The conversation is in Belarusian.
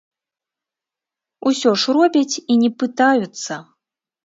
Усё ж робяць і не пытаюцца.